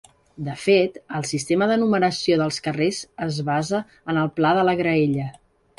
De fet, el sistema de numeració de carrers es basa en el pla de la graella.